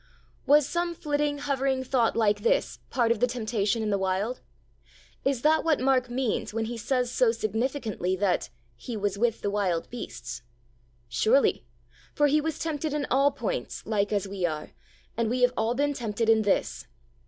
Was some flitting, hovering thought like this part of the Temptation in the Wild? Is that what Mark means when he says so significantly that 'He was with the wild beasts'? Surely; for He was tempted in all points like as we are, and we have all been tempted in this.